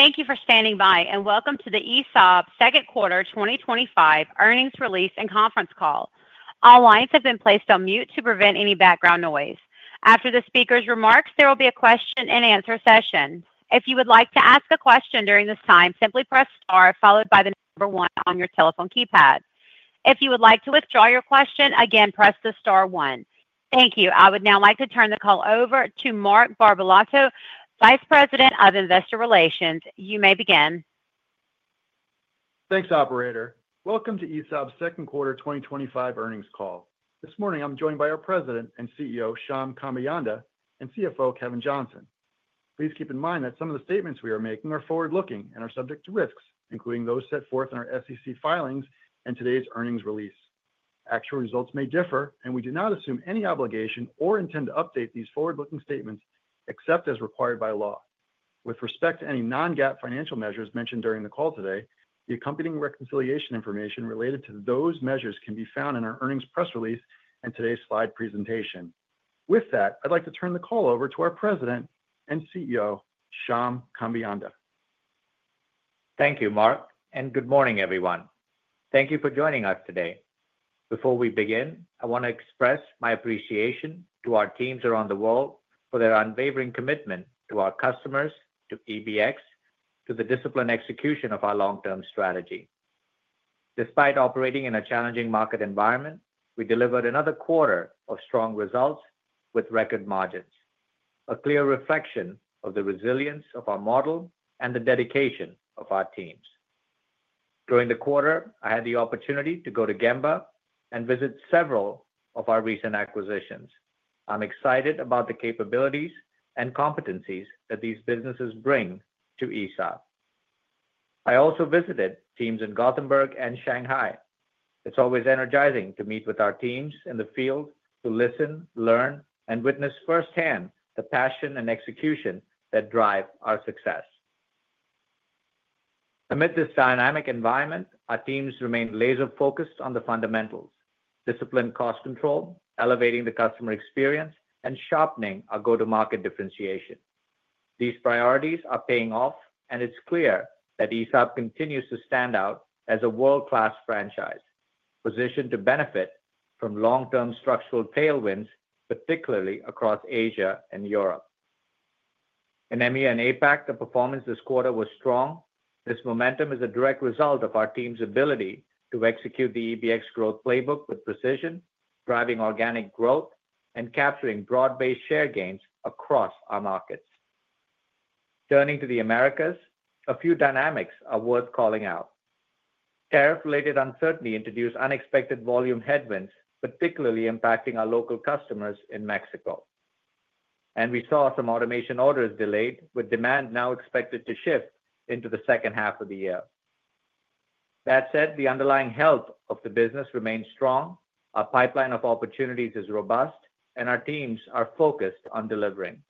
Thank you for standing by and welcome to the ESAB Second Quarter 2025 Earnings Release and Conference Call. All lines have been placed on mute to prevent any background noise. After the Speaker's remarks, there will be a question-and-answer session. If you would like to ask a question during this time, simply press star followed by the number one on your telephone keypad. If you would like to withdraw your question, again press the star one. Thank you. I would now like to turn the call over to Mark Barbalato, Vice President of Investor Relations. You may begin Thanks, operator. Welcome to ESAB's second quarter 2025 earnings call. This morning I'm joined by our President and CEO Shyam Kambeyanda and CFO Kevin Johnson. Please keep in mind that some of the statements we are making are forward looking and are subject to risks, including those set forth in our SEC filings and today's earnings release. Actual results may differ and we do not assume any obligation or intend to update these forward looking statements, except as required by law, with respect to any non-GAAP financial measures mentioned during the call today. The accompanying reconciliation information related to those measures can be found in our earnings press release and today's slide presentation. With that, I'd like to turn the call over to our President and CEO Shyam Kambeyanda. Thank you, Mark, and good morning, everyone. Thank you for joining us today. Before we begin, I want to express my appreciation to our teams around the world for their unwavering commitment to our customers, to EBX, to the disciplined execution of our long-term strategy. Despite operating in a challenging market environment, we delivered another quarter of strong results with record margins, a clear reflection of the resilience of our model and the dedication of our teams. During the quarter, I had the opportunity to go to Gemba and visit several of our recent acquisitions. I'm excited about the capabilities and competencies that these businesses bring to ESAB. I also visited teams in Gothenburg and Shanghai. It's always energizing to meet with our teams in the field, to listen, learn, and witness firsthand the passion and execution that drive our success. Amid this dynamic environment, our teams remain laser-focused on the fundamentals: disciplined cost control, elevating the customer experience, and sharpening our go-to-market differentiation. These priorities are paying off, and it's clear that ESAB continues to stand out as a world-class franchise positioned to benefit from long-term structural tailwinds, particularly across Asia and Europe. In EMEA and APAC, the performance this quarter was strong. This momentum is a direct result of our team's ability to execute the EBX growth playbook with precision, driving organic growth and capturing broad-based share gains across our markets. Turning to the Americas, a few dynamics are worth calling out. Tariff-related uncertainty introduced unexpected volume headwinds, particularly impacting our local customers in Mexico, and we saw some automation orders delayed, with demand now expected to shift into the second half of the year. That said, the underlying health of the business remains strong, our pipeline of opportunities is robust, and our teams are focused on delivering.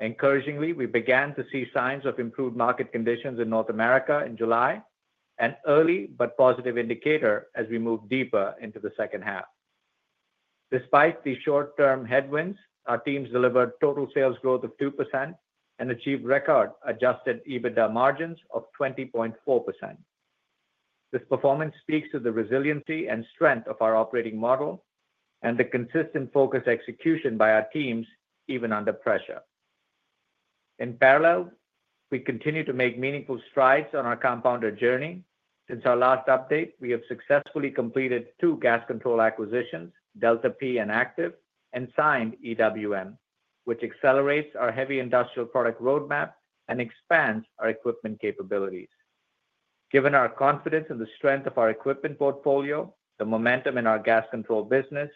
Encouragingly, we began to see signs of improved market conditions in North America in July, an early but positive indicator as we move deeper into the second half. Despite these short-term headwinds, our teams delivered total sales growth of 2% and achieved record adjusted EBITDA margins of 20.4%. This performance speaks to the resiliency and strength of our operating model and the consistent focus and execution by our teams, even under pressure. In parallel, we continue to make meaningful strides on our compounder journey. Since our last update, we have successfully completed two gas control acquisitions, Delta P and Active, and signed EWM, which accelerates our heavy industrial product roadmap and expands our equipment capabilities. Given our confidence in the strength of our equipment portfolio, the momentum in our gas control business,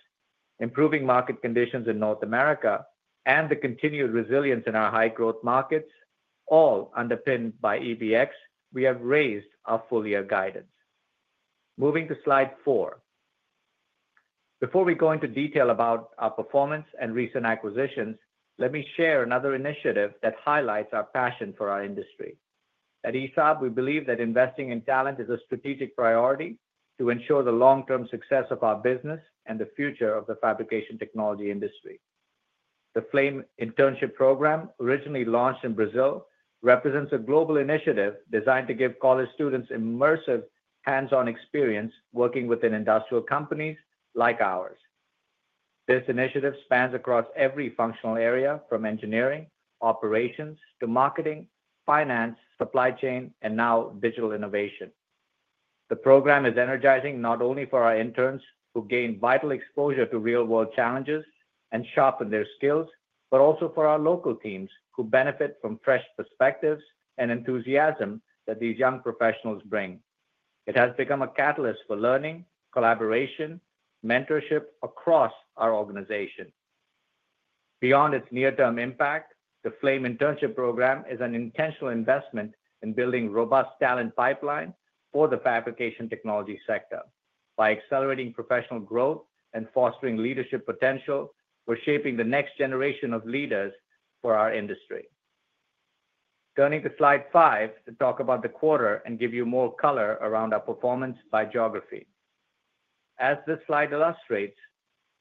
improving market conditions in North America, and the continued resilience in our high growth markets, all underpinned by EBX, we have raised our full year guidance. Moving to Slide 4, before we go into detail about our performance and recent acquisitions, let me share another initiative that highlights our passion for our industry. At ESAB, we believe that investing in talent is a strategic priority to ensure the long term success of our business and the future of the fabrication technology industry. The Flame Internship Program, originally launched in Brazil, represents a global initiative designed to give college students immersive hands-on experience working within industrial companies like ours. This initiative spans across every functional area, from engineering operations to marketing, finance, supply chain, and now digital innovation. The program is energizing not only for our interns, who gain vital exposure to real world challenges and sharpen their skills, but also for our local teams who benefit from fresh perspectives and enthusiasm that these young professionals bring. It has become a catalyst for learning, collaboration, and mentorship across our organization. Beyond its near term impact, the Flame Internship Program is an intentional investment in building a robust talent pipeline for the fabrication technology sector. By accelerating professional growth and fostering leadership potential, we're shaping the next generation of leaders for our industry. Turning to Slide 5 to talk about the quarter and give you more color around our performance by geography. As this slide illustrates,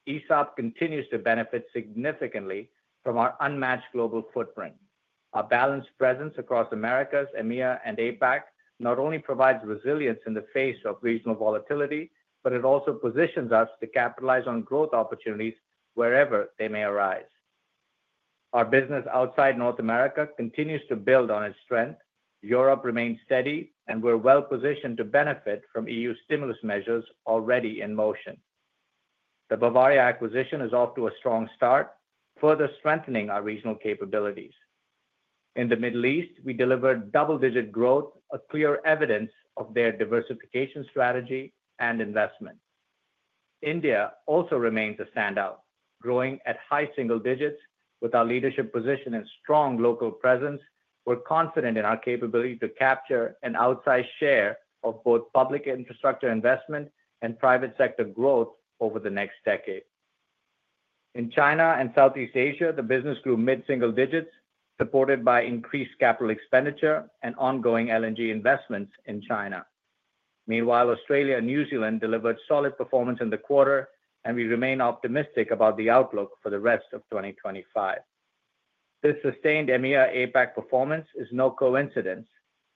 ESAB continues to benefit significantly from our unmatched global footprint. Our balanced presence across the Americas, EMEA, and APAC not only provides resilience in the face of regional volatility, but it also positions us to capitalize on growth opportunities wherever they may arise. Our business outside North America continues to build on its strength. Europe remains steady, and we're well positioned to benefit from EU stimulus measures already in motion. The Bavaria SchweißTechnik GmbH acquisition is off to a strong start, further strengthening our regional capabilities. In the Middle East, we delivered double-digit growth, a clear evidence of their diversification strategy and investment. India also remains a standout, growing at high single digits. With our leadership position and strong local presence, we're confident in our capability to capture an outsized share of both public infrastructure investment and private sector growth over the next decade. In China and Southeast Asia, the business grew mid single digits, supported by increased capital expenditure and ongoing LNG investments in China. Meanwhile, Australia and New Zealand delivered solid performance in the quarter, and we remain optimistic about the outlook for the rest of 2025. This sustained EMEA and APAC performance is no coincidence.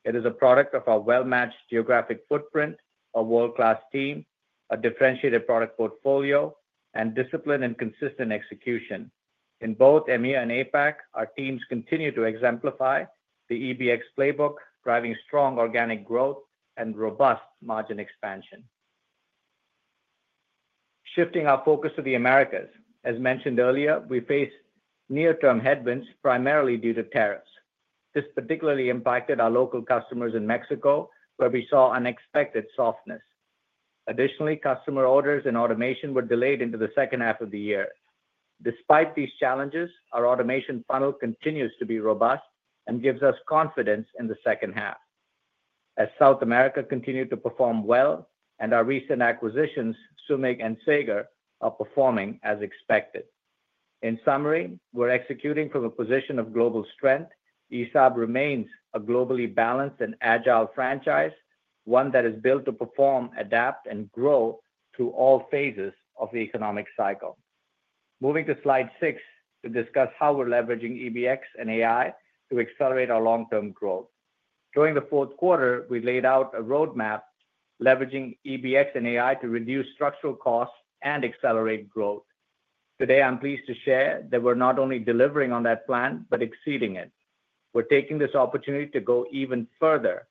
It is a product of our well-matched geographic footprint, a world-class team, a differentiated product portfolio, and disciplined and consistent execution. In both EMEA and APAC, our teams continue to exemplify the EBX business system playbook, driving strong organic growth and robust margin expansion, shifting our focus to the Americas. As mentioned earlier, we face near-term headwinds primarily due to tariff-related headwinds. This particularly impacted our local customers in Mexico, where we saw unexpected softness. Additionally, customer orders and automation solutions were delayed into the second half of the year. Despite these challenges, our automation solutions funnel continues to be robust and gives us confidence in the second half as South America continued to perform well and our recent acquisitions, SUMIG and Sager, are performing as expected. In summary, we're executing from a position of global strength. ESAB Corporation remains a globally balanced and agile franchise, one that is built to perform, adapt, and grow through all phases of the economic cycle. Moving to Slide 6 to discuss how we're leveraging EBX business system and AI to accelerate our long-term growth, during the fourth quarter, we laid out a roadmap leveraging EBX business system and AI to reduce structural costs and accelerate growth. Today, I'm pleased to share that we're not only delivering on that plan, but exceeding it. We're taking this opportunity to go even further,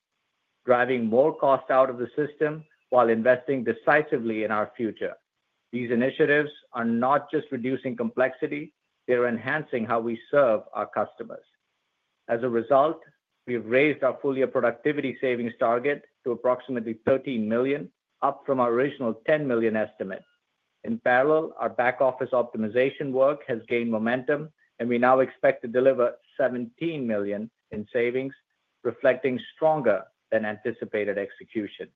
driving more cost out of the system while investing decisively in our future. These initiatives are not just reducing complexity, they're enhancing how we serve our customers. As a result, we've raised our full-year productivity savings target to approximately $13 million. Our up from our original $10 million estimate. In parallel, our back office optimization work has gained momentum and we now expect to deliver $17 million in savings, reflecting stronger than anticipated execution.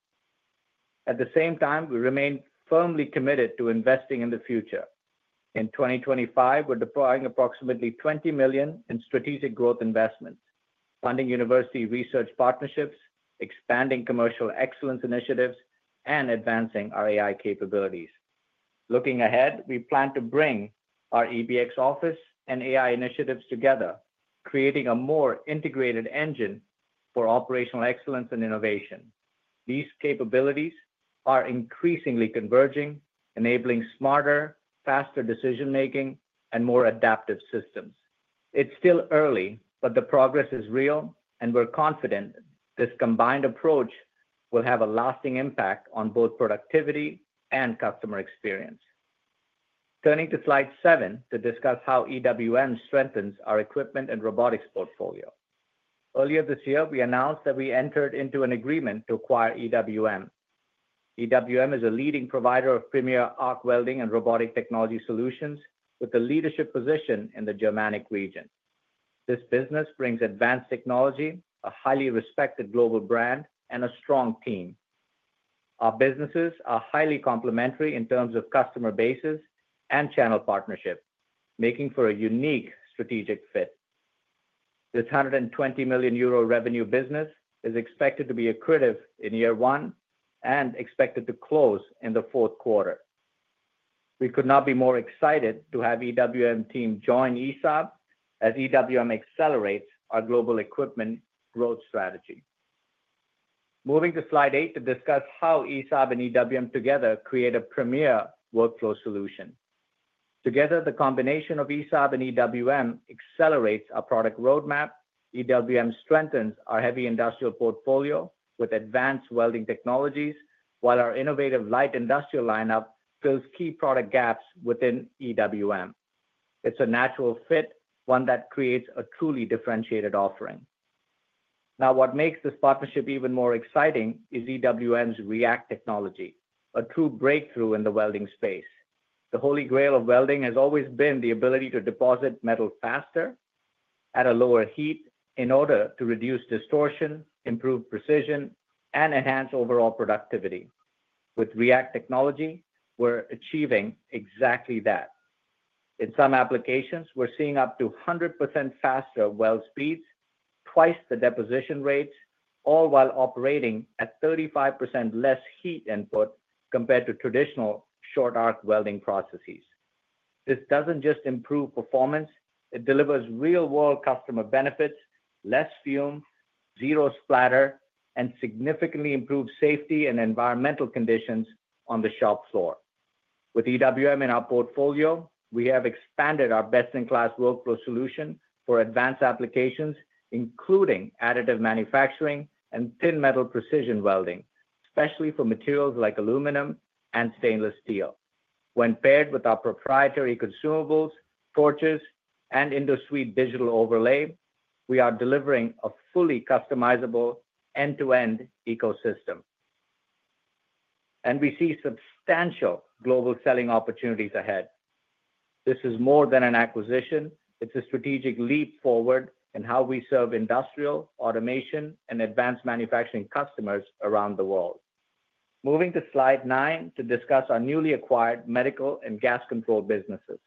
At the same time, we remain firmly committed to investing in the future. In 2025, we're deploying approximately $20 million in strategic growth, investment funding, university research partnerships, expanding commercial excellence initiatives and advancing our AI capabilities. Looking ahead, we plan to bring our EBX business system and AI initiatives together, creating a more integrated engine for operational excellence and innovation. These capabilities are increasingly converging, enabling smarter, faster decision making and more adaptive systems. It's still early, but the progress is real and we're confident this combined approach will have a lasting impact on both productivity and customer experience. Turning to Slide 7 to discuss how EWM strengthens our equipment and robotics portfolio, earlier this year we announced that we entered into an agreement to acquire EWM. EWM is a leading provider of premier arc welding and robotic technology solutions. With a leadership position in the Germanic region, this business brings advanced technology, a highly respected global brand and a strong team. Our businesses are highly complementary in terms of customer bases and channel partnership, making for a unique strategic fit. This 120 million euro revenue business is expected to be accretive in year one and expected to close in the fourth quarter. We could not be more excited to have the EWM team join ESAB as EWM accelerates our global equipment growth strategy. Moving to Slide 8 to discuss how ESAB and EWM together create a premier workflow solution. Together, the combination of ESAB and EWM accelerates our product roadmap. EWM strengthens our heavy industrial portfolio with advanced welding technologies, while our innovative light industrial lineup fills key product gaps within EWM. It's a natural fit, one that creates a truly differentiated offering. Now what makes this partnership even more exciting is EWM React technology, a true breakthrough in the welding space. The holy grail of welding has always been the ability to deposit metal faster at a lower heat in order to reduce distortion and improve precision and enhance overall productivity. With React technology, we're achieving exactly that. In some applications we're seeing up to 100% faster weld speeds, twice the deposition rate, all while operating at 35% less heat input compared to traditional short arc welding processes. This doesn't just improve performance, it delivers real world customer benefits, less fume, zero splatter, and significantly improved safety and environmental conditions on the shop floor. With EWM in our portfolio, we have expanded our best-in-class workflow solution for advanced applications including additive manufacturing and thin metal precision welding, especially for materials like aluminum and stainless steel. When paired with our proprietary consumables, torches, and indosuite digital overlay, we are delivering a fully customizable end-to-end ecosystem and we see substantial global selling opportunities ahead. This is more than an acquisition, it's a strategic leap forward in how we serve industrial automation and advanced manufacturing customers around the world. Moving to Slide 9 to discuss our newly acquired medical and gas control businesses.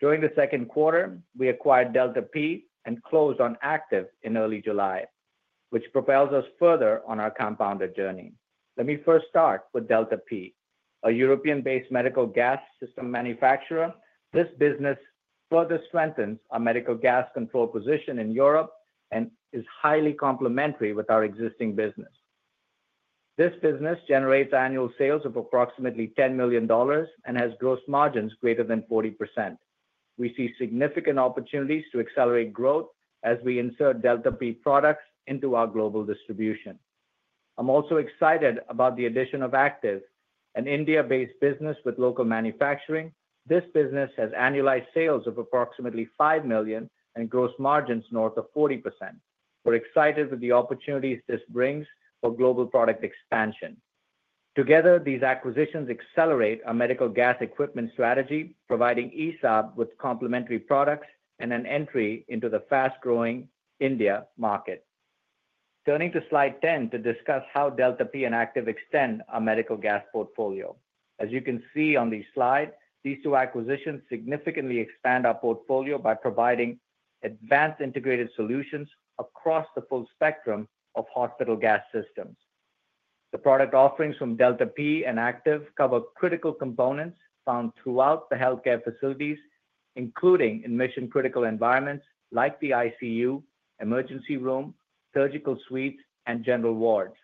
During the second quarter, we acquired Delta P and closed on Active in early July, which propels us further on our compounded journey. Let me first start with Delta P, a European-based medical gas system manufacturer. This business further strengthens our medical gas control position in Europe and is highly complementary with our existing business. This business generates annual sales of approximately $10 million and has gross margins greater than 40%. We see significant opportunities to accelerate growth as we insert Delta P products into our global distribution. I'm also excited about the addition of Active, an India-based business with local manufacturing. This business has annualized sales of approximately $5 million and gross margins north of 40%. We're excited with the opportunities this brings for global product expansion. Together, these acquisitions accelerate our medical gas equipment strategy, providing ESAB with complementary products and an entry into the fast-growing India market. Turning to Slide 10 to discuss how Delta P and Active extend our medical gas portfolio. As you can see on the slide, these two acquisitions significantly expand our portfolio by providing advanced integrated solutions across the full spectrum of hospital gas systems. The product offerings from Delta P and Active cover critical components found throughout the healthcare facilities, including in mission critical environments like the ICU, emergency room, surgical suites, and general wards.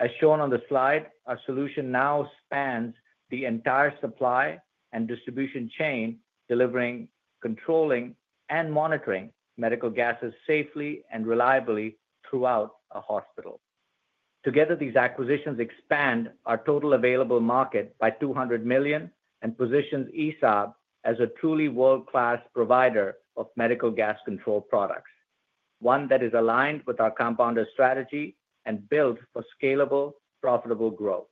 As shown on the slide, our solution now spans the entire supply and distribution chain, delivering, controlling, and monitoring medical gases safely and reliably throughout a hospital. Together, these acquisitions expand our total available market by $200 million and position ESAB as a truly world-class provider of medical gas control products, one that is aligned with our compounder strategy and built for scalable, profitable growth.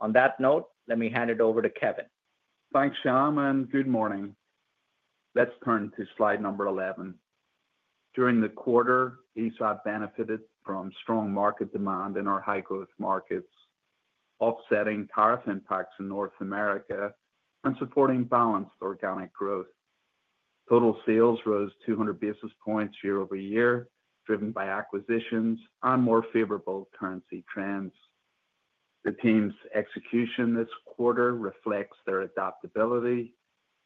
On that note, let me hand it over to Kevin. Thanks Shyam and good morning. Let's turn to slide number 11. During the quarter, ESAB benefited from strong market demand in our high growth markets, offsetting tariff impacts in North America and supporting balanced organic growth. Total sales rose 200 basis points year-over-year, driven by acquisitions and more favorable currency trends. The team's execution this quarter reflects their adaptability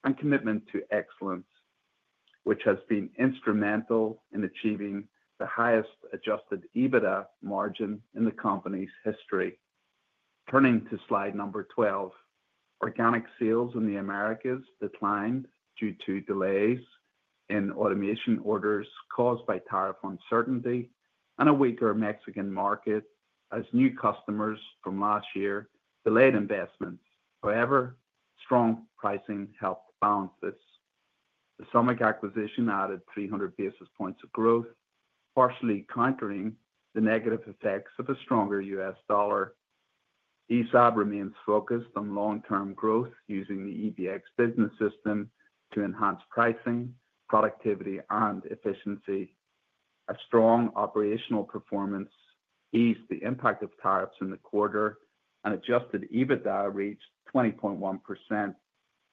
and commitment to excellence, which has been instrumental in achieving the highest adjusted EBITDA margin in the company's history. Turning to slide number 12, organic sales in the Americas declined due to delays in automation orders caused by tariff uncertainty and a weaker Mexican market as new customers from last year delayed investments. However, strong pricing helped balance this. The SUMIG acquisition added 300 basis points of growth, partially countering the negative effects of a stronger U.S. dollar. ESAB remains focused on long term growth using the EBX business system to enhance pricing, productivity, and efficiency. A strong operational performance eased the impact of tariffs in the quarter, and adjusted EBITDA reached 20.1%,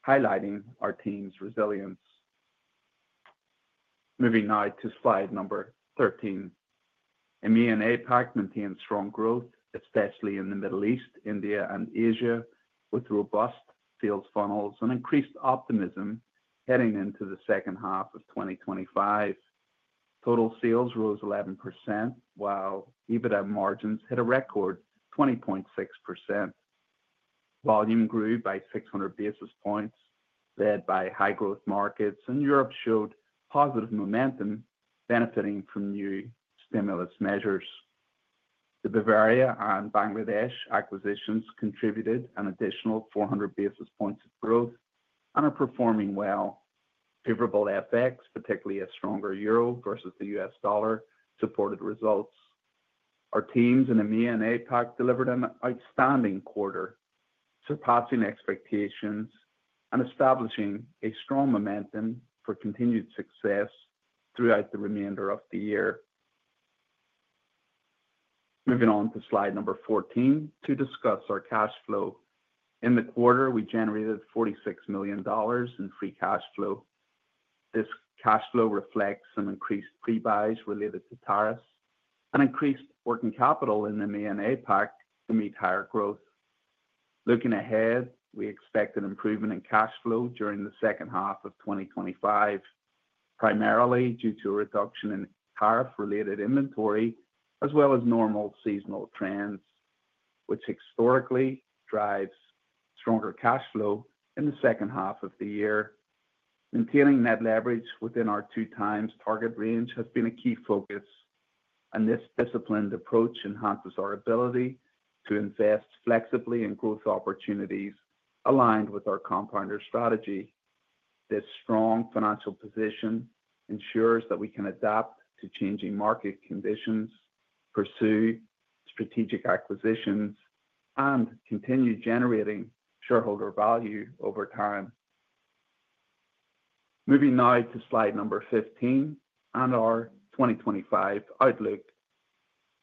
highlighting our team's resilience. Moving now to slide number 13, EMEA and APAC maintained strong growth, especially in the Middle East, India, and Asia, with robust sales funnels and increased optimism. Heading into the second half of 2025, total sales rose 11% while EBITDA margins hit a record 20.6%. Volume grew by 600 basis points, led by high growth markets, and Europe showed positive momentum benefiting from new stimulus measures. The Bavaria SchweißTechnik GmbH and Bangladesh acquisitions contributed an additional 400 basis points of growth and are performing well. Favorable FX, particularly a stronger euro versus the U.S. dollar, supported results. Our teams in EMEA and APAC delivered an outstanding quarter, surpassing expectations and establishing a strong momentum for continued success throughout the remainder of the year. Moving on to slide number 14 to discuss our cash flow. In the quarter, we generated $46 million in free cash flow. This cash flow reflects some increased pre-buys related to tariffs and increased working capital in the main APAC to meet higher growth. Looking ahead, we expect an improvement in cash flow during the second half of 2025, primarily due to a reduction in tariff-related inventory as well as normal seasonal trends, which historically drives stronger cash flow in the second half of the year. Maintaining net leverage within our two times target range has been a key focus, and this disciplined approach enhances our ability to invest flexibly in growth opportunities aligned with our compounder strategy. This strong financial position ensures that we can adapt to changing market conditions, pursue strategic acquisitions, and continue generating shareholder value over time. Moving now to slide number 15 and our 2025 outlook.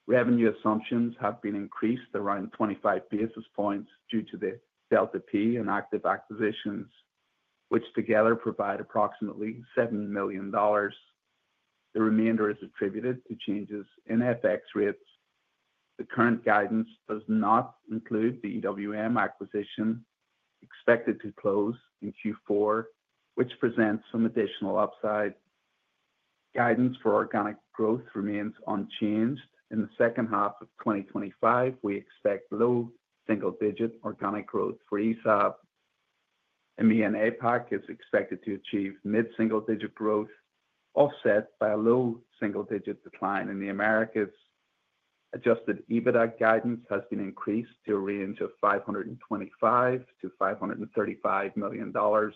Revenue assumptions have been increased around 0.25% due to the Delta P and Active acquisitions, which together provide approximately $7 million. The remainder is attributed to changes in FX rates. The current guidance does not include the EWM acquisition expected to close in Q4, which presents some additional upside. Guidance for organic growth remains unchanged. In the second half of 2025, we expect low single digit organic growth for ESAB. EMEA and APAC are expected to achieve mid single digit growth, offset by a low single digit decline in the Americas. Adjusted EBITDA guidance has been increased to a range of $525 million-$535 million. DOL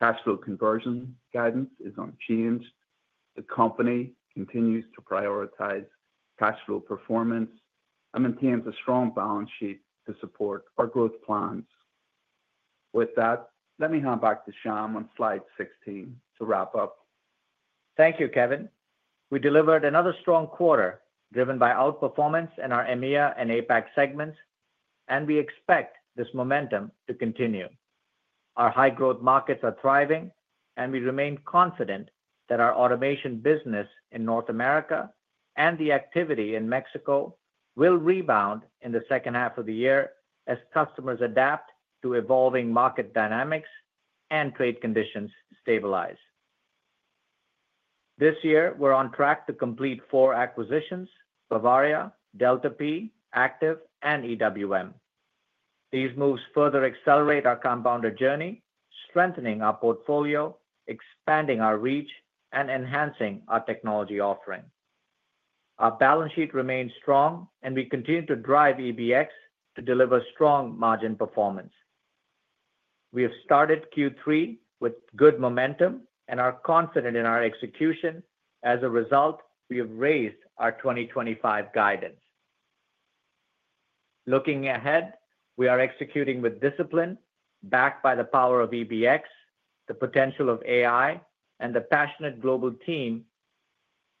cash flow conversion guidance is unchanged. The company continues to prioritize cash flow performance and maintains a strong balance sheet to support our growth plans. With that, let me hand back to Shyam on slide 16 to wrap up. Thank you, Kevin. We delivered another strong quarter driven by outperformance in our EMEA and APAC segments, and we expect this momentum to continue. Our high growth markets are thriving, and we remain confident that our automation business in North America and the activity in Mexico will rebound in the second half of the year as customers adapt to evolving market dynamics and trade conditions stabilize. This year we're on track to complete four acquisitions: Bavaria SchweißTechnik GmbH, Delta P, Active, and EWM. These moves further accelerate our compounder journey, strengthening our portfolio, expanding our reach, and enhancing our technology offering. Our balance sheet remains strong, and we continue to drive EBX to deliver strong margin performance. We have started Q3 with good momentum and are confident in our execution. As a result, we have raised our 2025 guidance. Looking ahead, we are executing with discipline backed by the power of EBX, the potential of AI, and the passionate global team.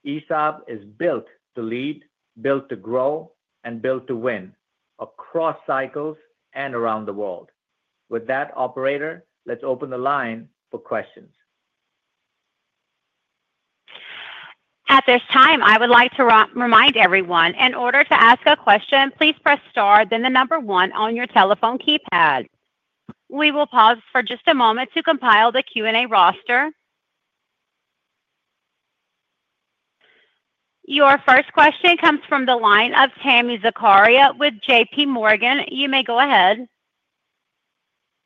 ESAB is built to lead, built to grow, and built to win across cycles and around the world. With that, operator, let's open the line for questions. At this time I would like to remind everyone, in order to ask a question please press Star then the number one on your telephone keypad. We will pause for just a moment to compile the Q and A roster. Your first question comes from the line of Tami Zakaria with J.P. Morgan. You may go ahead.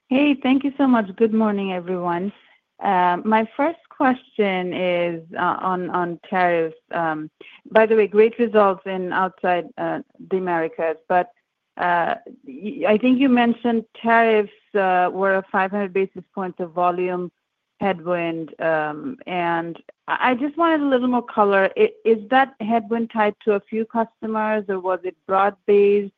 Hey, thank you so much. Good morning everyone. My first question is on tariffs. By the way, great results in outside the Americas, but I think you mentioned tariffs were a 500 basis point of volume headwind and I just wanted a little more color. Is that headwind tied to a few customers or was it broad based?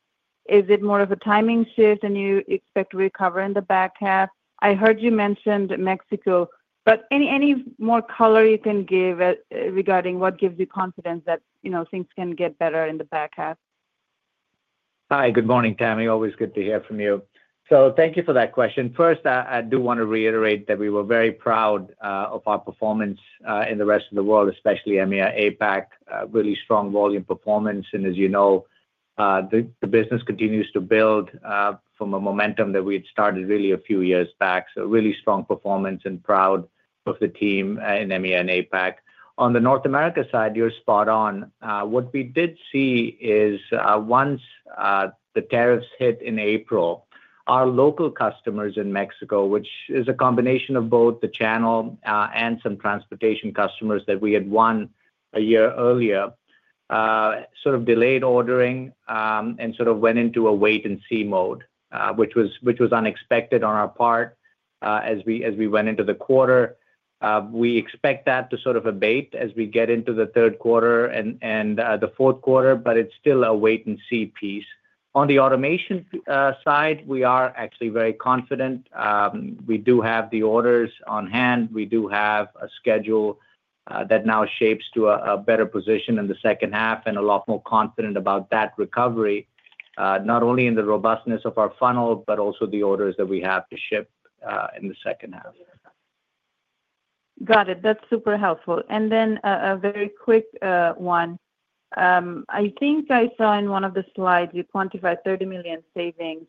Is it more of a timing shift and you expect to recover in the back half? I heard you mention Mexico, but any more color you can give regarding what gives you confidence that you know things can get better in the back half? Hi, good morning Tami. Always good to hear from you. Thank you for that question. First, I do want to reiterate that we were very proud of our performance in the rest of the world, especially EMEA and APAC. Really strong volume performance, and as you know, the business continues to build from a momentum that we had started really a few years back. Really strong performance and proud of the team in EMEA and APAC. On the North America side, you're spot on. What we did see is once the tariffs hit in April, our local customers in Mexico, which is a combination of both the channel and some transportation customers that we had won a year earlier, delayed ordering and went into a wait and see mode, which was unexpected on our part as we went into the quarter. We expect that to abate as we get into the third quarter and the fourth quarter, but it's still a wait and see piece. On the automation side, we are actually very confident. We do have the orders on hand. We do have a schedule that now shapes to a better position in the second half and a lot more confident about that recovery, not only in the robustness of our funnel, but also the orders that we have to ship in the second half. Got it. That's super helpful. I think I saw in one of the slides you quantified $30 million savings.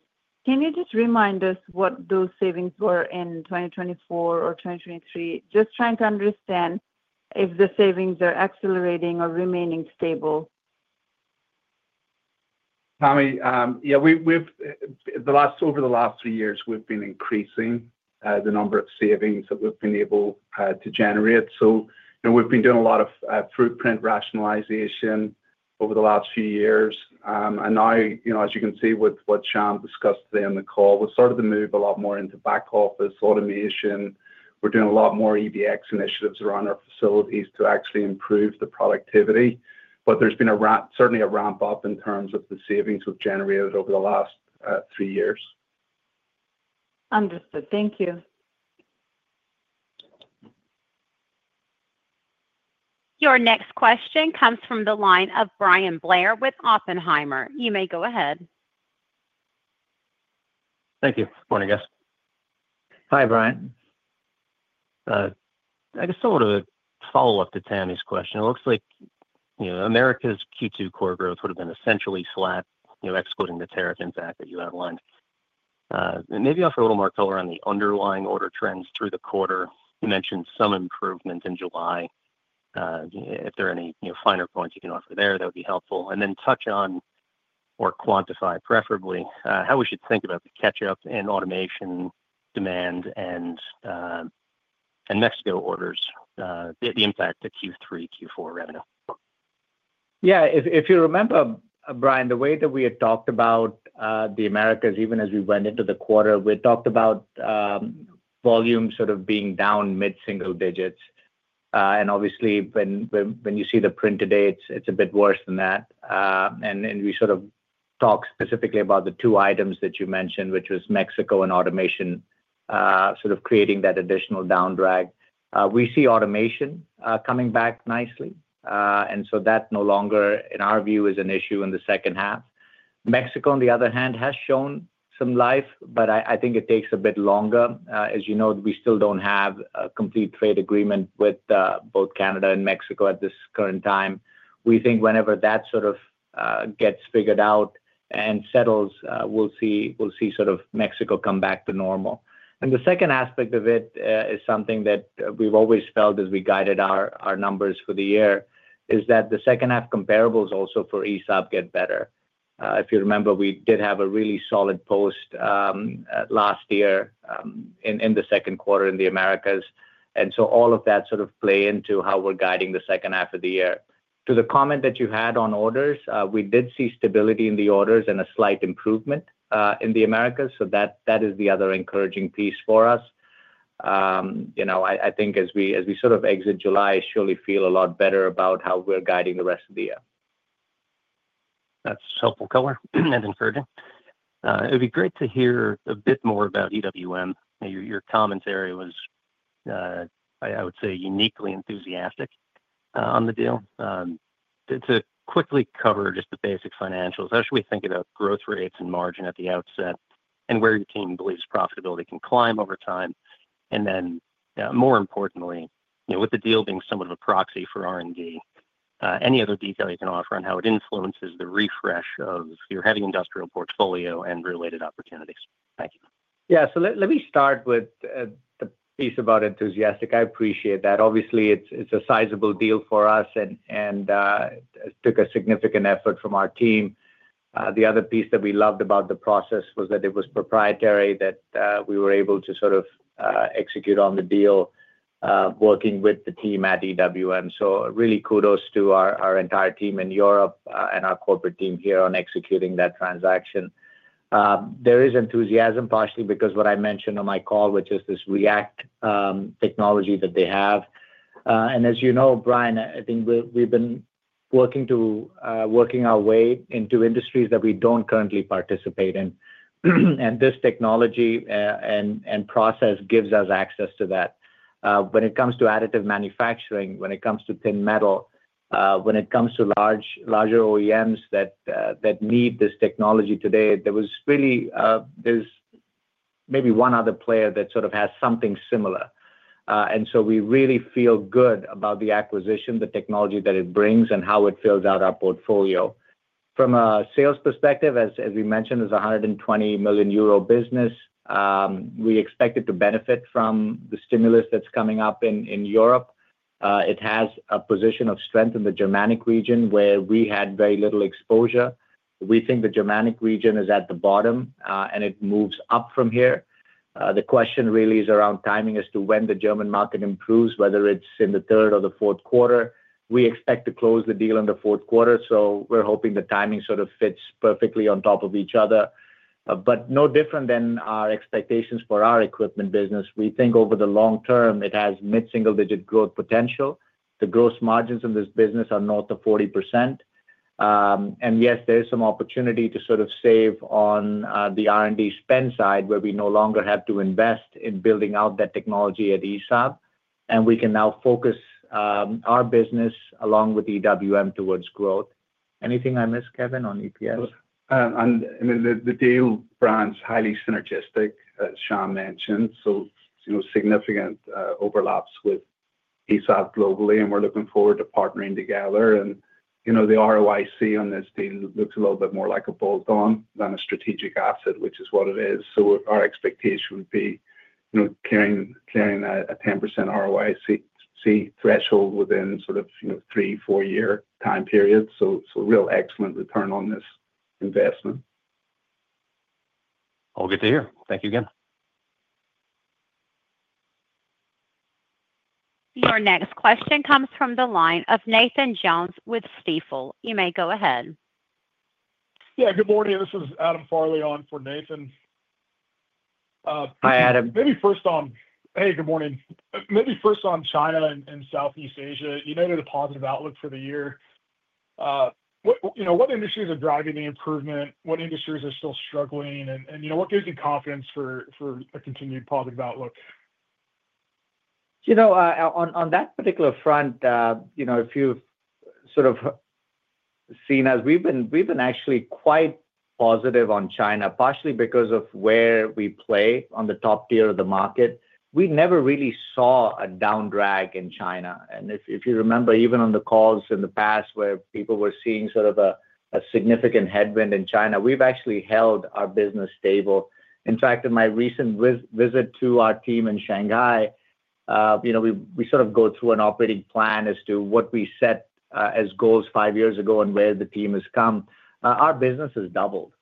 Can you just remind us what those savings were in 2024 or 2023? Just trying to understand if the savings are accelerating or remaining stable. Yeah. Over the last three years we've been increasing the number of savings that we've been able to generate. We've been doing a lot of footprint rationalization over the last few years. Now, as you can see with what Shyam discussed on the call, we started to move a lot more into back office automation. We're doing a lot more EBX initiatives around our facilities to actually improve the productivity. There has been certainly a ramp up in terms of the savings we've generated over the last three years. Understood, thank you. Your next question comes from the line of Bryan Blair with Oppenheimer. You may go ahead. Thank you. Morning, guys. Hi, Bryan. I guess sort of a follow up to Tami's question. It looks like America's Q2 core growth would have been essentially flat. You know, excluding the tariff impact that you outlined, maybe offer a little more color on. The underlying order trends through the quarter, you mentioned some improvement in July. If there are any finer points, you. Can offer there that would be helpful. Touch on or quantify preferably. How we should think about the catch. Up and automation demand in Mexico orders, the impact to Q3, Q4 revenue. Yeah. If you remember, Bryan, the way that we had talked about the Americas, even as we went into the quarter, we talked about volume sort of being down mid single digits. Obviously, when you see the print today, it's a bit worse than that. We sort of talk specifically about the two items that you mentioned, which were Mexico and automation sort of creating that additional down drag. We see automation coming back nicely, and so that no longer, in our view, is an issue in the second half. Mexico, on the other hand, has shown some life, but I think it takes a bit longer. As you know, we still don't have a complete trade agreement with both Canada and Mexico at this current time. We think whenever that sort of gets figured out and settles, we'll see Mexico come back to normal. The second aspect of it is something that we've always felt as we guided our numbers for the year, which is that the second half comparables also for ESAB get better. If you remember, we did have a really solid post last year in the second quarter in the Americas, and all of that sort of plays into how we're guiding the second half of the year. To the comment that you had on orders, we did see stability in the orders and a slight improvement in the Americas. That is the other encouraging piece for us, I think, as we sort of exit July, surely feel a lot better about how we're guiding the rest of the year. That's helpful color and encouraging. It'd be great to hear a bit more about EWM. Your commentary was, I would say, uniquely. Enthusiastic on the deal. To quickly cover just the basic financials. How should we think about growth rates and margin at the outset, and where your team believes profitability can climb over time? More importantly, with the deal being somewhat of a proxy for R&D, any other detail you can. Offer on how it influences the refresh. Of your heavy industrial portfolio and related opportunities. Thank you. Yeah. Let me start with the piece about enthusiastic. I appreciate that. Obviously it's a sizable deal for us and took a significant effort from our team. The other piece that we loved about the process was that it was proprietary, that we were able to sort of execute on the deal working with the team at EWM. Really kudos to our entire team in Europe and our corporate team here on executing that transaction. There is enthusiasm partially because what I mentioned on my call, which is this EWM React technology that they have. As you know, Bryan, I think we've been working our way into industries that we don't currently participate in. This technology and process gives us access to that. When it comes to additive manufacturing, when it comes to thin metal, when it comes to larger OEMs that need this technology today, there's maybe one other player that sort of has something similar. We really feel good about the acquisition, the technology that it brings, and how it fills out our portfolio. From a sales perspective, as we mentioned, it is a 120 million euro business. We expect it to benefit from the stimulus that's coming up in Europe. It has a position of strength in the Germanic region where we had very little exposure. We think the Germanic region is at the bottom and it moves up from here. The question really is around timing as to when the German market improves, whether it's in the third or the fourth quarter. We expect to close the deal in the fourth quarter. We're hoping the timing sort of fits perfectly on top of each other, but no different than our expectations for our equipment business. We think over the long term it has mid single digit growth potential. The gross margins in this business are north of 40%, and yes, there is some opportunity to sort of save on the R&D spend side where we no longer have to invest in building out that technology at ESAB and we can now focus our business along with EWM towards growth. Anything I missed, Kevin, on EPS? The Delta P brands are highly synergistic, as Shyam mentioned. There are significant overlaps with ESAB globally, and we're looking forward to partnering together. The ROIC on this deal looks a little bit more like a bolt-on than a strategic asset, which is what it is. Our expectation would be carrying a 10% ROIC threshold within a three to four year time period. This is a real excellent return on this investment. All good to hear. Thank you again. Your next question comes from the line of Nathan Jones with Stifel. You may go ahead. Yeah, good morning, this is Adam Michael Farley on for Nathan Jones. Hi Adam. Good morning. Maybe first on China and Southeast Asia. A positive outlook for the year. You know, what industries are driving the improvement, what industries are still struggling, and what gives you confidence for a continued positive outlook. You know, on that particular front, if you've sort of seen as we've been actually quite positive on China partially because of where we play on the top tier of the market, we never really saw a down drag in China. If you remember even on the calls in the past where people were seeing sort of a significant headwind in China, we've actually held our business stable. In fact, in my recent visit to our team in Shanghai, we sort of go through an operating plan as to what we set as goals five years ago and where the team has come, our business has doubled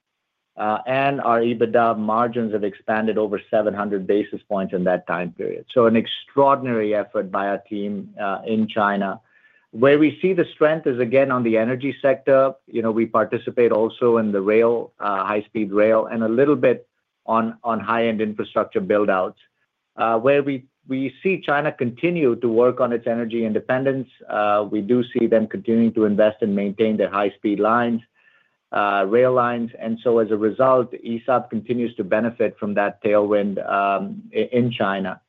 and our EBITDA margins have expanded over 700 basis points in that time period. An extraordinary effort by our team in China where we see the strength is again on the energy sector. We participate also in the rail, high speed rail and a little bit on high end infrastructure buildouts where we see China continue to work on its energy independence. We do see them continuing to invest and maintain their high speed lines, rail lines. As a result, ESAB continues to benefit from that tailwind in China.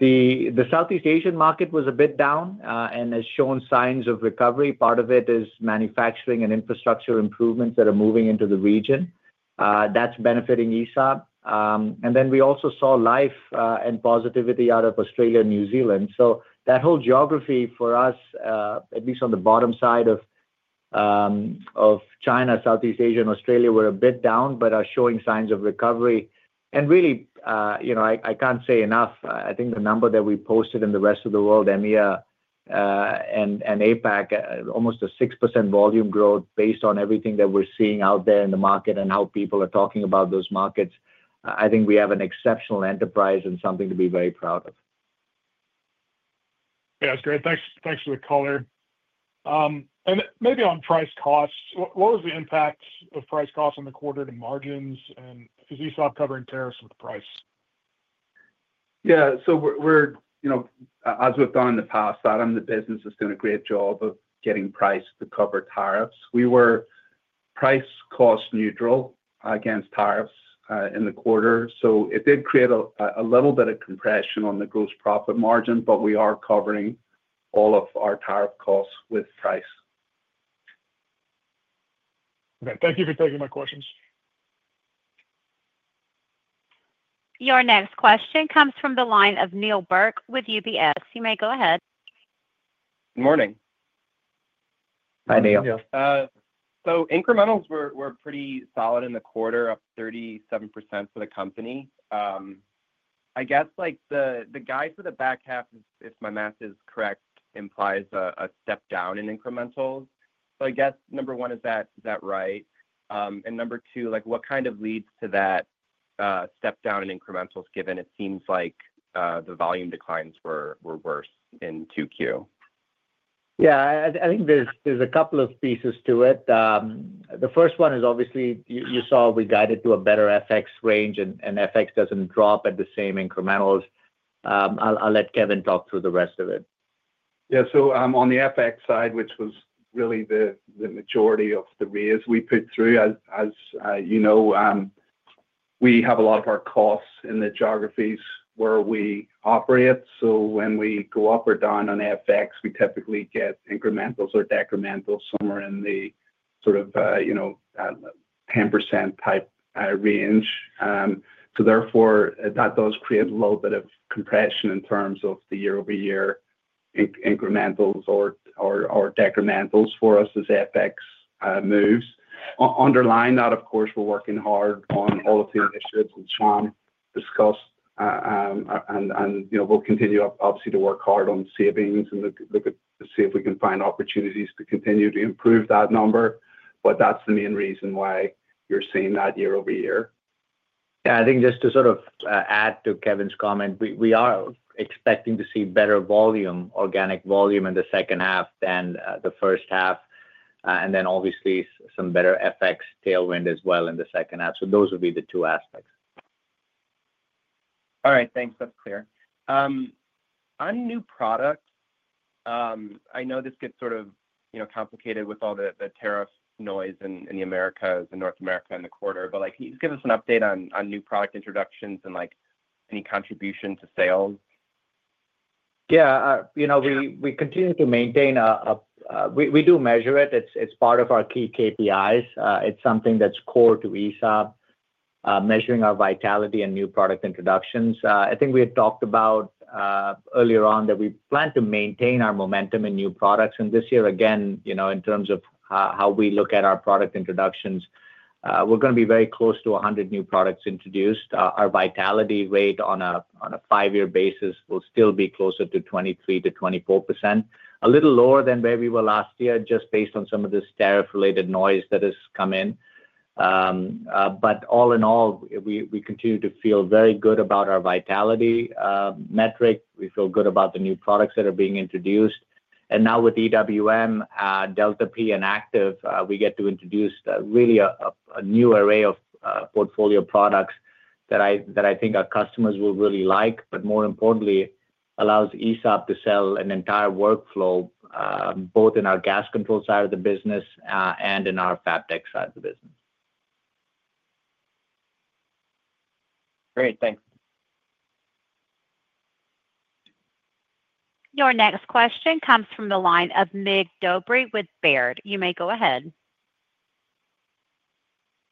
The Southeast Asian market was a bit down and has shown signs of recovery. Part of it is manufacturing and infrastructure improvements that are moving into the region, a region that's benefiting ESAB. We also saw life and positivity out of Australia and New Zealand. That whole geography for us, at least on the bottom side of China, Southeast Asia and Australia, were a bit down but are showing signs of recovery. I can't say enough. I think the number that we posted in the rest of the world, EMEA and APAC, almost a 6% volume growth. Based on everything that we're seeing out there in the market and how people are talking about those MAS markets, I think we have an exceptional enterprise and something to be very proud of. Yeah, that's great, thanks. Thanks for the color. Maybe on price costs, what was the impact of price costs on the quarter to margins? Is ESAB covering tariffs with price? As we've done in the past, Adam, the business has done a great job of getting price to cover tariffs. We were price cost neutral against tariffs in the quarter. It did create a little bit. is compression on the gross profit margin. We are covering all of our tariff costs with price. Okay, thank you for taking my questions. Your next question comes from the line of Neal Burk with UBS. You may go ahead. Good morning. Hi Neil. Incrementals were pretty solid in the quarter, up 37% for the company. I guess like the guy for the. Back half, if my math is correct. Implies a step down in incrementals. I guess number one, is that right. What kind of leads to that step down in incrementals? Given it seems like the volume declines were worse in 2Q? Yeah, I think there's a couple of pieces to it. The first one is obviously you saw we guided to a better FX range, and FX doesn't drop at the same incrementals. I'll let Kevin talk through the rest of it. Yeah. On the FX side, which was really the majority of the rears we put through, as you know, we have a lot of our costs in the geographies where we operate. When we go up or down on FX, we typically get incrementals or decrementals somewhere in the 10% type range. Therefore, that does create a little bit of compression in terms of the year-over-year incrementals or decrementals for us as FX moves. Underlying that, of course, we're working hard on all the initiatives which one discussed, and we'll continue obviously to work hard on savings and see if we can find opportunities to continue to improve that number. That's the main reason why you're seeing that year-over-year, I think. Just to sort of add to Kevin Johnson's comment, we are expecting to see better volume, organic volume in the second half than the first half, and then obviously some better FX tailwind as well in the second half. Those would be the two aspects. All right, thanks. That's clear. On new product, I know this gets sort of complicated with all. The tariff noise in the Americas and North America in the quarter, can you give us an update on new product introductions and any contribution to sales? Yeah, you know, we continue to maintain, we do measure it. It's part of our key KPIs. It's something that's core to ESAB. Measuring our vitality and new product introductions. I think we had talked about earlier on that we plan to maintain our momentum in new products. This year, again, in terms of how we look at our product introductions, we're going to be very close to 100 new products introduced. Our vitality rate on a five year basis will still be closer to 23%-24%, a little lower than where we were last year just based on some of this tariff-related noise that has come in. All in all, we continue to feel very good about our vitality metric. We feel good about the new products that are being introduced. Now with EWM, Delta P, and Active, we get to introduce really a new array of portfolio products that I think our customers will really like. More importantly, it allows ESAB to sell an entire workflow both in our gas control side of the business and in our fabtech side of the business. Great, thanks. Your next question comes from the line of Mirc Dobre with Baird. You may go ahead.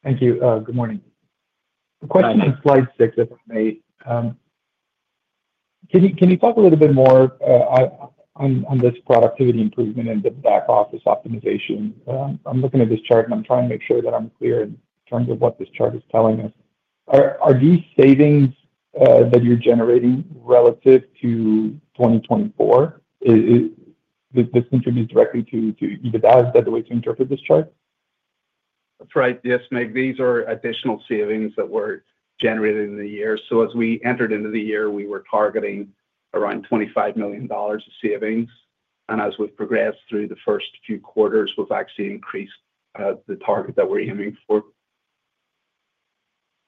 Thank you. Good morning. Question to slide six, if I may. Can you talk a little. bit more on this productivity improvement and the back office optimization? I'm looking at this chart and I'm trying to make sure that I'm clear in terms of what this chart is telling us. Are these savings that you're generating relative to 2024, this introduced directly to EBITDA, is that the way to interpret this chart? That's right, yes, Mirc. These are additional savings that were generated in the year. As we entered into the year, we were targeting around $25 million of savings. As we've progressed through the first few quarters, we've actually increased the target that we're aiming for.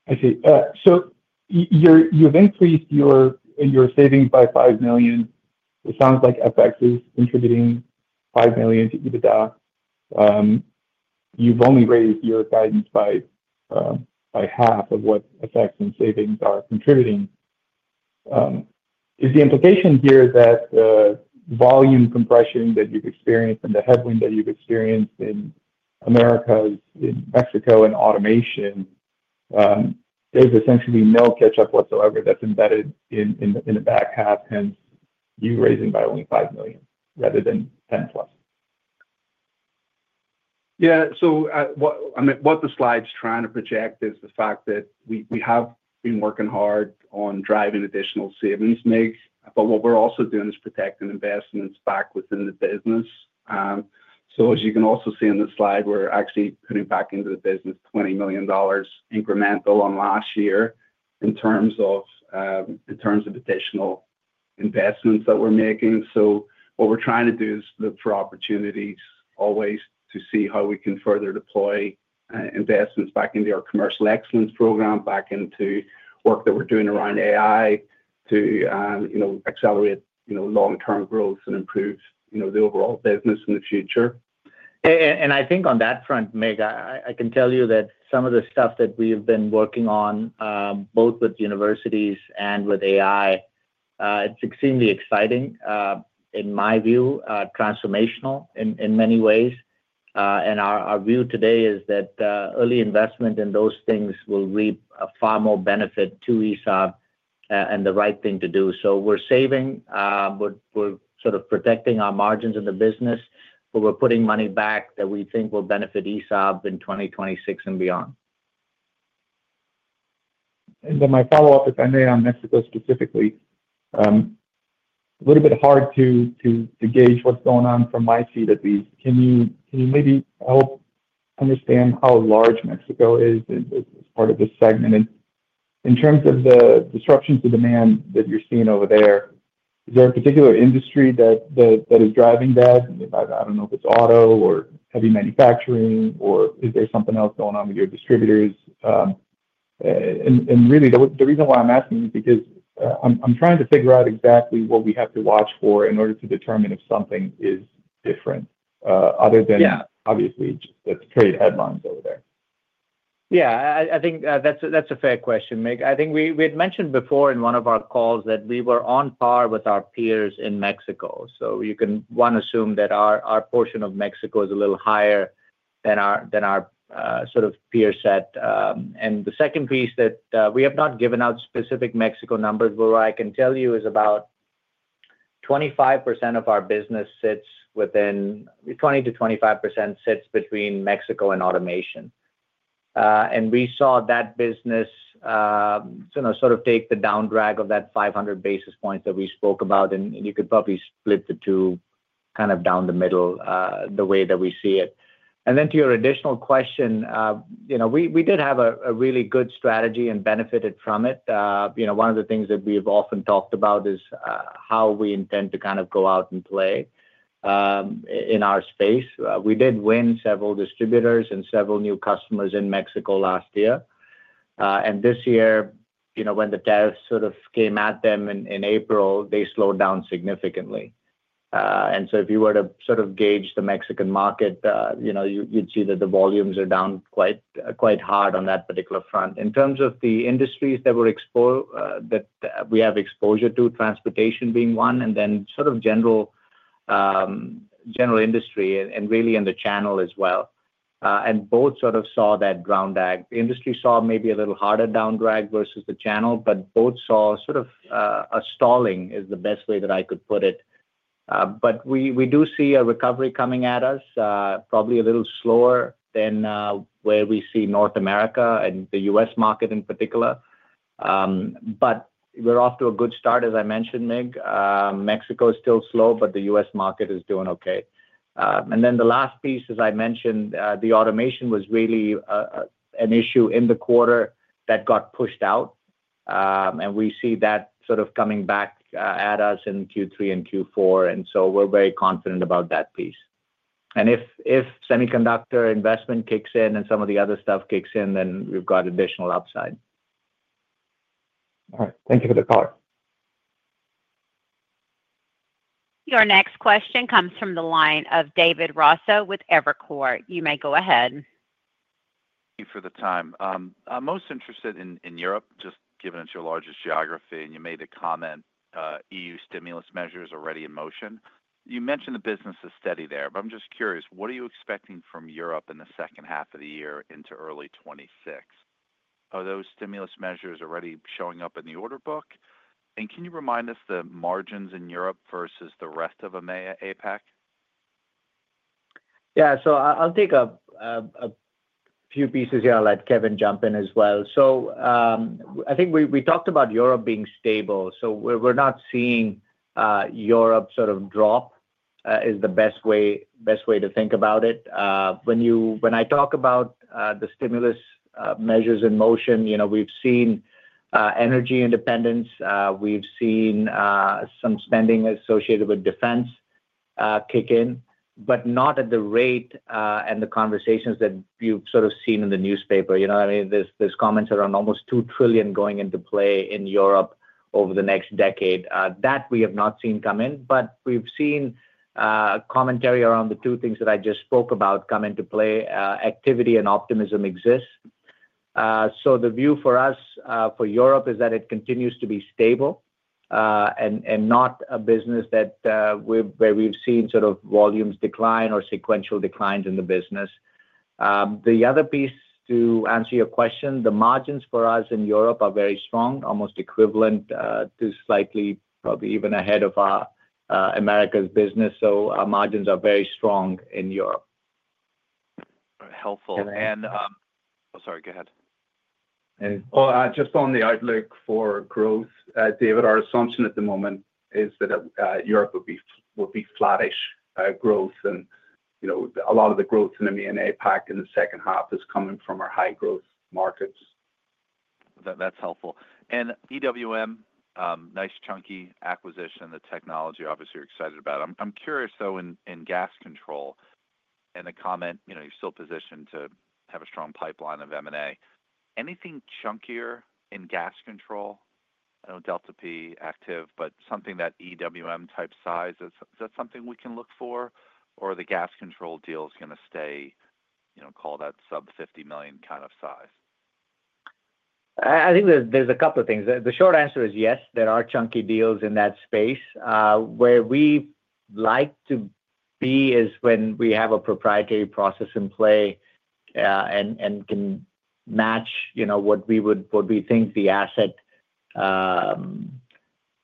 I see, so you eventually and your savings by $5 million. It sounds like FX is contributing $5 million to EBITDA. You've only raised your guidance by half of what FX and savings are contributing. Is the implication here that volume compression that you've experienced and the headwind that you've experienced in the Americas, in Mexico and automation, there's essentially no catch up whatsoever that's embedded in the back half and you raising by only $5 million rather than $10+ million? Yeah. What the slide's trying to project is the fact that we have been working hard on driving additional savings mix, but what we're also doing is protecting investments back within the business. As you can also see on the slide, we're actually putting back into the business $20 million incremental on last. Year. In terms of additional investments that we're making, what we're trying to do is look for opportunities always to see how we can further deploy investments back into our commercial excellence program, back into work that we're doing around AI to accelerate long term growth and improve the overall business in the future. I think on that front, Mirc, I can tell you that some of the stuff that we've been working on both with universities and with AI, it's extremely exciting in my view, transformational in many ways. Our view today is that early investment in those things will reap a far more benefit to ESAB and the right thing to do. We're saving, we're sort of protecting our margins in the business, but we're putting money back that we think will benefit ESAB in 2026 and beyond. My follow up is on Mexico specifically. It's a little bit hard to gauge what's going on from my feet at least. Can you maybe help understand how large Mexico is as part of this segment in terms of the disruption to demand that you're seeing over there? Is there a particular industry that is driving that? I don't know if it's auto or heavy manufacturing, or is there something else. Going on with your distributors? The reason why I'm asking is because I'm trying to figure out exactly what we have to watch for in order to determine if something is different other than obviously, let's trade headlines over there. Yeah, I think that's a fair question, Mirc. I think we had mentioned before in one of our calls that we were on par with our peers in Mexico. You can assume that our portion of Mexico is a little higher than our sort of peer set. The second piece is that we have not given out specific Mexico numbers, but what I can tell you is about 25% of our business, 20%-25%, sits between Mexico and automation. We saw that business sort of take the down drag of that 500 basis point that we spoke about, and you could probably split the two kind of down the middle the way that we see it. To your additional question, we did have a really good strategy and benefited from it. One of the things that we've often talked about is how we intend to kind of go out and play in our space. We did win several distributors and several new customers in Mexico last year. This year, when the tariffs came at them in April, they slowed down significantly. If you were to gauge the Mexican market, you'd see that the volumes are down quite hard on that particular front in terms of the industries that we have exposure to, transportation being one, and then general industry and really in the channel as well. Both saw that down drag. The industry saw maybe a little harder down drag versus the channel, but both saw sort of a stalling, is the best way that I could put it. We do see a recovery coming at us, probably a little slower than where we see North America and the U.S. market in particular, but we're off to a good start. As I mentioned, Mirc, Mexico is still slow, but the U.S. market is doing okay. The last piece, as I mentioned, the automation was really an issue in the quarter that got pushed out. We see that coming back at us in Q3 and Q4, and we're very confident about that piece. If semiconductor investment kicks in and some of the other stuff kicks in, then we've got additional upside. All right, thank you for the call. Your next question comes from the line of David Michael Raso with Evercore. You may go ahead. Thank you for the time. I'm most interested in Europe just given it's your largest geography and you made the comment EU stimulus measures already in motion. You mentioned the business is steady there. I'm just curious, what are you expecting from Europe in the second half of the year into early 2026? Are those stimulus measures already showing up in the order book? Can you remind us the margins in Europe versus the rest of EMEA and APAC? I'll take a few pieces here. I'll let Kevin jump in as well. I think we talked about Europe being stable. We're not seeing Europe sort of drop, which is the best way to think about it when I talk about the stimulus measures in motion. We've seen energy independence, we've seen some spending associated with defense kick in, but not at the rate and the conversations that you've seen in the newspaper. There are comments around almost $2 trillion going into play in Europe over the next decade that we have not seen come in. We've seen commentary around the two things that I just spoke about come into play. Activity and optimism exist. The view for us, for Europe, is that it continues to be stable and not a business where we've seen volumes decline or sequential declines in the business. To answer your question, the margins for us in Europe are very strong, almost equivalent to, or slightly probably even ahead of, our Americas business. Our margins are very strong in Europe. Helpful. Oh, sorry, go ahead. Just on the outlook for growth. David, our assumption at the moment is that Europe will be flattish growth, and a lot of the growth in EMEA and APAC in the second half is coming from our high growth markets That's helpful. DWM, nice chunky acquisition. The technology obviously you're excited about. I'm curious though in gas control and the comment you're still positioned to have a strong pipeline of M&A. Anything chunkier in gas control? I know Delta P, Active, but something that EWM type size, is that something we can look for or are the gas control deals going to stay, call that sub $50 million kind of size? I think there's a couple of things. The short answer is yes, there are chunky deals in that space. Where we like to be is when we have a proprietary process in play and can match what we would, what we think the asset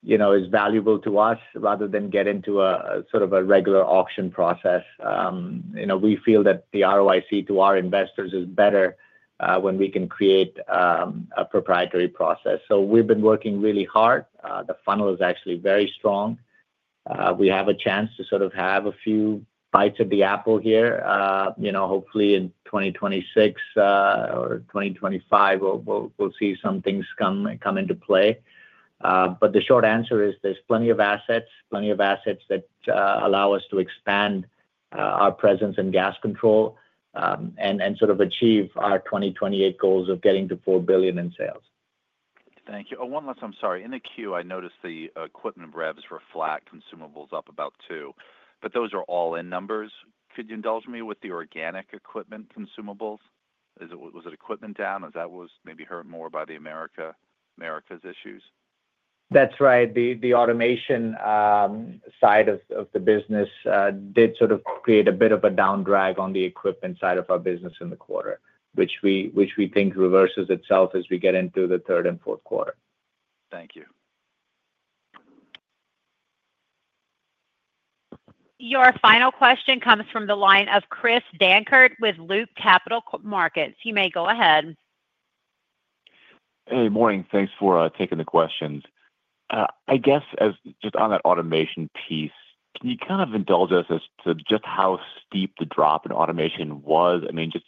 is valuable to us rather than get into a sort of a regular auction process. We feel that the ROIC to our investors is better when we can create a proprietary process. We've been working really hard. The funnel is actually very strong. We have a chance to have a few bites at the apple here. Hopefully in 2026 or 2025 we'll see some things come into play. The short answer is there's plenty of assets, plenty of assets that allow us to expand our presence in gas control and achieve our 2028 goals of getting to $4 billion in sales. Thank you. One last. I'm sorry. In the queue I noticed the equipment revs were flat. Consumables up about 2%, but those are all in numbers. Could you indulge me with the organic equipment consumables? Was it equipment down as that was maybe hurt more by the Americas issues? That's right. The automation side of the business did sort of create a bit of a down drag on the equipment side of our business in the quarter, which we think reverses itself as we get into the third and fourth quarter. Thank you. Your final question comes from the line of Christopher M. Dankert with Loop Capital Markets. You may go ahead. Hey, morning. Thanks for taking the questions. I guess just on that automation piece, can you kind of indulge us as. To just how steep the drop in automation was? I mean, just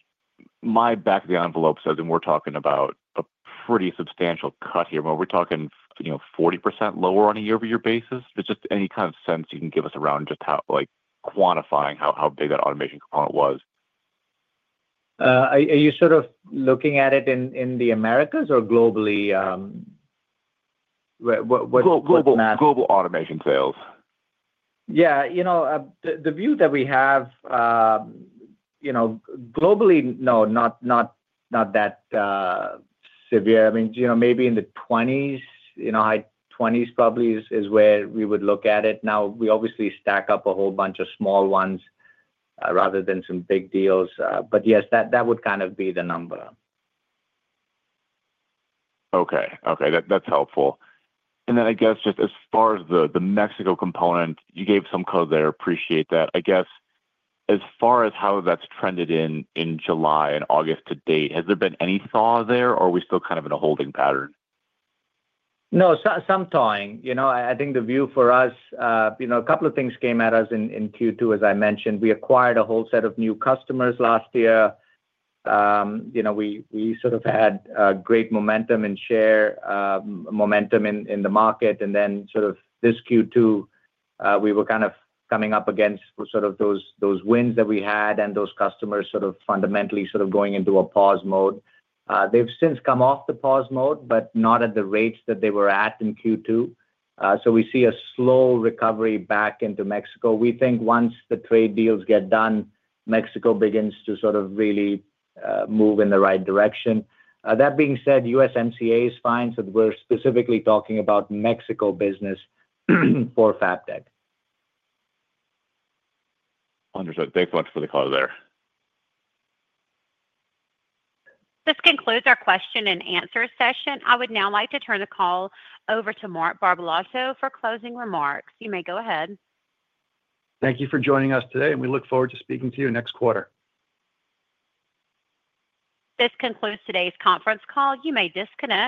my back of the. Envelope says, and we're talking about a pretty substantial cut here. We're talking 40% lower on a year-over-year basis. Just any kind of sense you can give us around just how, like, quantifying. How big that automation component was. Are. You sort of looking at it in the Americas or globally? Global automation sales? Yeah, the view that we have globally, not that severe. I mean, maybe in the 20s, high 20s probably is where we would look at it now. We obviously stack up a whole bunch of small ones rather than some big deals. Yes, that would kind of be the number. Okay, that's helpful. As far as the Mexico component, you gave some code there. Appreciate that. I guess as far as how that's. Trended in July and August to date, has there been any thaw there? Are we still kind of in a holding pattern? No, some thawing. I think the view for us, a couple of things came at us in Q2. As I mentioned, we acquired a whole set of new customers last year. We sort of had great momentum and share momentum in the market. In Q2, we were coming up against those wins that we had, and those customers fundamentally going into a pause mode. They've since come off the pause mode, but not at the rates that they were at in Q2. We see a slow recovery back into Mexico. We think once the trade deals get done, Mexico begins to really move in the right direction. That being said, USMCA is fine. We're specifically talking about Mexico business for FAPDEC. 100%. Thanks so much for the call. This concludes our question-and-answer session. I would now like to turn the call over to Mark Barbalato for closing remarks. You may go ahead. Thank you for joining us today, and we look forward to speaking to you next quarter. This concludes today's conference call. You may disconnect.